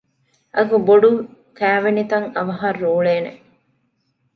އަގުބޮޑު ކައިވެނިތައް އަވަހަށް ރޫޅޭނެ؟